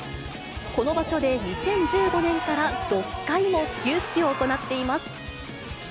この場所で２０１５年から、６回も始球式を行っています。